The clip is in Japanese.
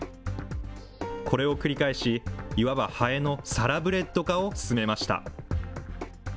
これを繰り返し、いわばハエのサラブレッド化を進めました。